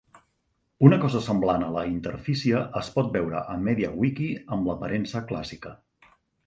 Una cosa semblant a la interfície es pot veure a MediaWiki amb l'aparença clàssica.